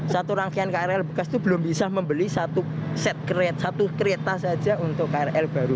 satu rangkaian krl bekas itu belum bisa membeli satu set kereta satu kereta saja untuk krl baru